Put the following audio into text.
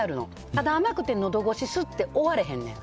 ただ、甘くてのど越しスッて終わらへんねん。